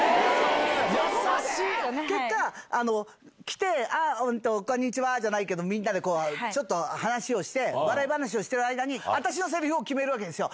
結果、来て、こんにちはじゃないけど、みんなでこう、ちょっと話をして、笑い話をしている間に、私のせりふを決めるわけですよ。